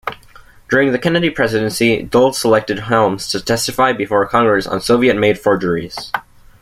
During the Kennedy presidency, Dulles selected Helms to testify before Congress on Soviet-made forgeries.